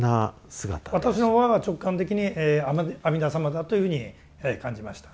私の場合は直感的に阿弥陀様だというふうに感じました。